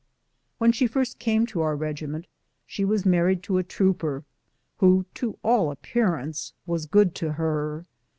AVhen she first came to our regiment she was married to a trooper, who, to all appearances, was good to her.